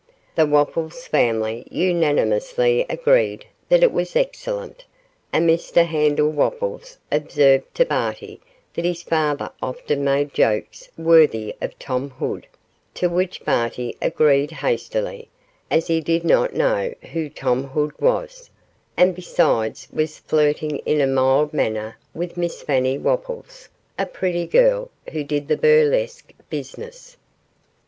The Wopples family unanimously agreed that it was excellent, and Mr Handel Wopples observed to Barty that his father often made jokes worthy of Tom Hood, to which Barty agreed hastily, as he did not know who Tom Hood was, and besides was flirting in a mild manner with Miss Fanny Wopples, a pretty girl, who did the burlesque business.